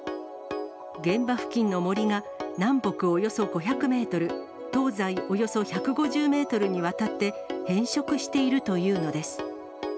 現場付近の森が南北およそ５００メートル、東西およそ１５０メートルにわたって、変色しているというのです。